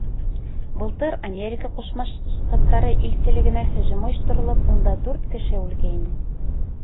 Былтыр Америка Ҡушма Штаттары илселегенә һөжүм ойошторолоп, унда дүрт кеше үлгәйне.